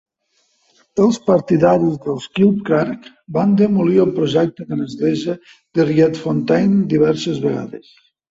Els partidaris dels Klipkerk van demolir el projecte de l'església de Rietfontein diverses vegades.